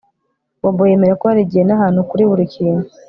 Bobo yemera ko hari igihe nahantu kuri buri kintu